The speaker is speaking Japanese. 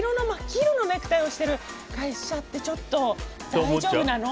黄色のネクタイをしてる会社ってちょっと大丈夫なの？